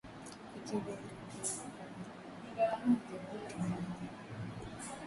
Fikiri alliongeza kuwa alipoanza kutumia dawa za kulevya i